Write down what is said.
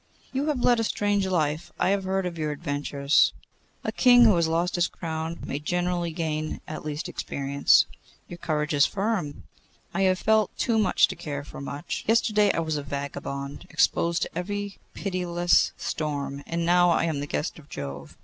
'You have led a strange life! I have heard of your adventures.' 'A king who has lost his crown may generally gain at least experience.' 'Your courage is firm.' 'I have felt too much to care for much. Yesterday I was a vagabond exposed to every pitiless storm, and now I am the guest of Jove.